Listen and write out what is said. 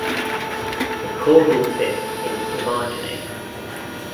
The caudal fin is emarginate.